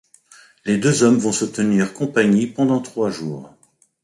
Les deux hommes vont se tenir compagnie pendant trois jours.